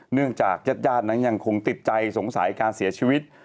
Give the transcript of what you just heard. เนื่องจากญาตินั้นยังคงติดใจสงสัยการเสียชีวิต